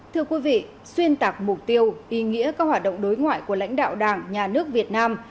thưa quý vị xuyên tạc mục tiêu ý nghĩa các hoạt động đối ngoại của lãnh đạo đảng nhà nước việt nam